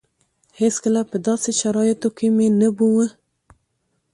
هېڅکله په داسې شرايطو کې مې نه بوه.